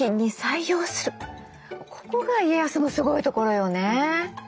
ここが家康のすごいところよね。